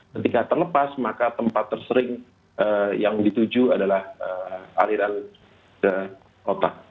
ketika terlepas maka tempat tersering yang dituju adalah aliran ke otak